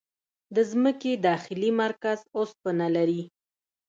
د ځمکې داخلي مرکز اوسپنه لري.